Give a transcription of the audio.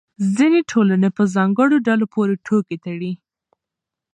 ځینې ټولنې په ځانګړو ډلو پورې ټوکې تړي.